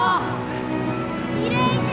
きれいじゃ！